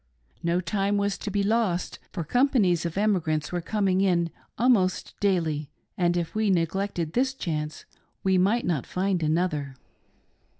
No time was to be lost, for companies of emigrants were coming in almost daily, and if we neglected this chance we might not find another.